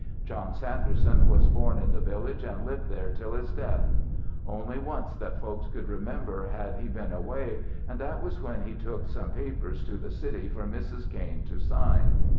John Sanderson was born in the village and lived there till his death. Only once that folks could remember had he been away, and that was when he took some papers to the city for Mrs. Kain to sign.